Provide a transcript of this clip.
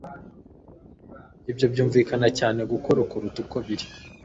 Ibyo byumvikana cyane gukora kuruta uko biri